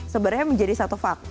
sebenarnya menjadi satu faktor